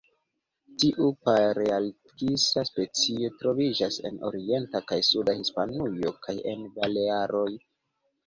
Tiu palearktisa specio troviĝas en orienta kaj suda Hispanujo, kaj en la Balearoj.